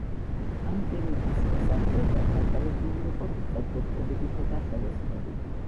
ამ პერიოდის მოსახლეობა დაკავებული იყო მიწათმოქმედებითა და ხელოსნობით.